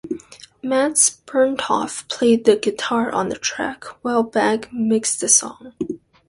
Mats Berntoft played the guitar on the track, while Bagge mixed the song.